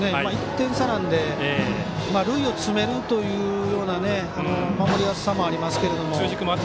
１点差なので、塁を詰めるという守りやすさもありますけれども。